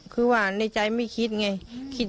คือว่าในใจไม่คิดไง